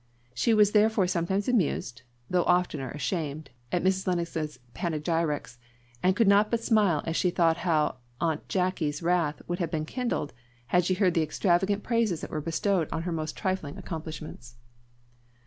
She was therefore sometimes amused, though oftener ashamed, at Mrs. Lennox's panegyrics, and could not but smile as she thought how Aunt Jacky's wrath would have been kindled had she heard the extravagant praises that were bestowed on her most trifling accomplishments.